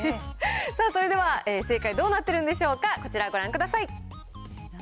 それでは正解どうなってるんでしょうか、こちらご覧ください。